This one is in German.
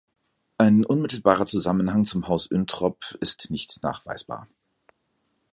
Ein unmittelbarer Zusammenhang zum Haus Uentrop ist nicht nachweisbar.